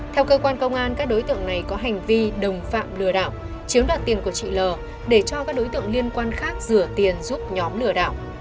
theo cơ quan công an các đối tượng này có hành vi đồng phạm lừa đảo chiếm đoạt tiền của chị l để cho các đối tượng liên quan khác rửa tiền giúp nhóm lừa đảo